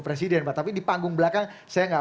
presiden pak tapi di panggung belakang saya nggak